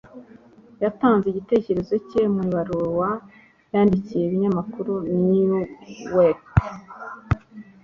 yatanze igitekerezo cye mu ibaruwa yandikiye ikinyamakuru newsweek